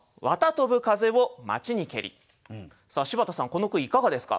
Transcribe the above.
さあ柴田さんこの句いかがですか？